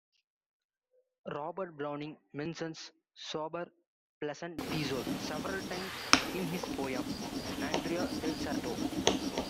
Robert Browning mentions "sober pleasant Fiesole" several times in his poem "Andrea Del Sarto".